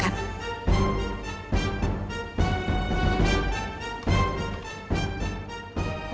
kita anggap saja perjanjian perdagangan ini dibatalkan